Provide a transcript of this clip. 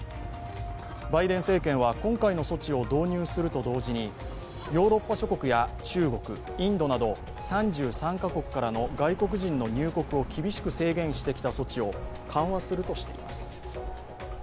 バイデン政権は今回の措置を導入すると同時にヨーロッパ諸国や中国、インドなど３３カ国からの外国人の入国を厳しく制限してきた措置を緩和するとしています。